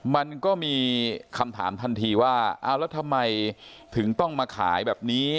มันก็มีคำถามทันทีว่าเอาแล้วทำไมถึงต้องมาขายแบบนี้